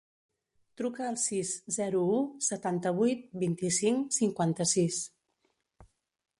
Truca al sis, zero, u, setanta-vuit, vint-i-cinc, cinquanta-sis.